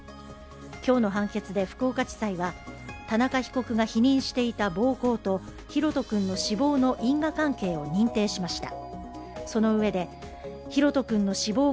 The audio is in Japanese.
今日の判決で福岡地裁は田中被告が否認していた暴行と大翔君の死亡の因果関係を認定しました。